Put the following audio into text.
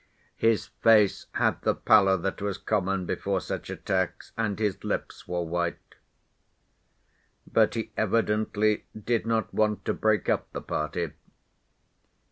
His face had the pallor that was common before such attacks, and his lips were white. But he evidently did not want to break up the party.